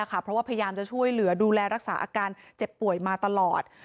เพราะว่าพยายามจะช่วยเหลือดูแลรักษาอาการเจ็บป่วยมาตลอด